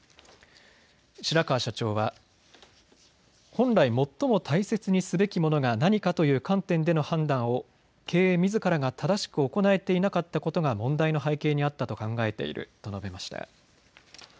白川社長は本来、最も大切にすべきものが何かという観点での判断を経営みずからが正しく行えていなかったことが問題の背景にあったと考えていると述べました。